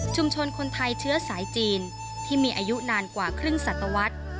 คนไทยเชื้อสายจีนที่มีอายุนานกว่าครึ่งสัตวรรษ